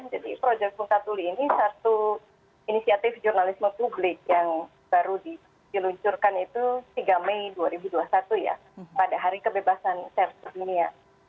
jadi projek multatuli ini satu inisiatif jurnalisme publik yang baru diluncurkan itu tiga mei dua ribu dua puluh satu ya pada hari kebebasan serta dunia